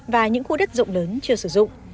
và những khu đất rộng lớn chưa sử dụng